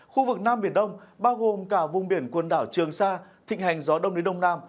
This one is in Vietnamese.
khu vực nam biển đông bao gồm cả vùng biển quần đảo trường sa thịnh hành gió đông đến đông nam